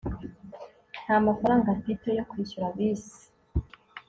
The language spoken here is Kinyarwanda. ntamafaranga mfite yo kwishyura bisi